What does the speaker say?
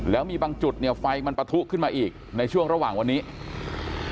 แล้วมีบางจุดเนี่ยไฟมันปะทุขึ้นมาอีกในช่วงระหว่างวันนี้